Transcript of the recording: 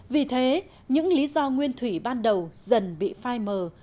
vì thế những lý do nguyên thủy ban đầu dần bị phai mờ